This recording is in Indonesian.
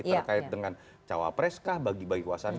terkait dengan cawapres kah bagi bagi kuasanya